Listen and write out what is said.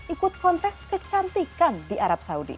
ikut kontes kecantikan di arab saudi